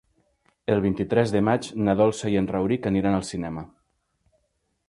El vint-i-tres de maig na Dolça i en Rauric aniran al cinema.